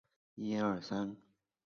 它可以连接互联网或者局域网。